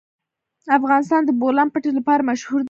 افغانستان د د بولان پټي لپاره مشهور دی.